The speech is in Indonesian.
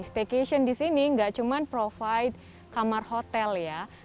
staycation di sini nggak cuma provide kamar hotel ya